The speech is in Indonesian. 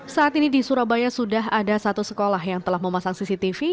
saat ini di surabaya sudah ada satu sekolah yang telah memasang cctv